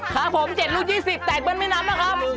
ครับผม๗ลูก๒๐แตกบนแม่น้ำนะครับ